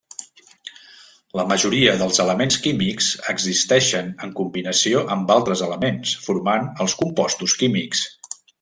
La majoria dels elements químics existeixen en combinació amb altres elements formant els composts químics.